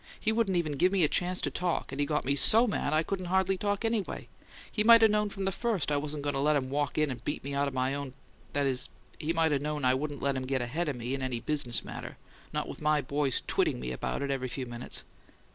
"He wouldn't even give me a chance to talk; and he got me so mad I couldn't hardly talk, anyway! He might 'a' known from the first I wasn't going to let him walk in and beat me out of my own that is, he might 'a' known I wouldn't let him get ahead of me in a business matter not with my boys twitting me about it every few minutes!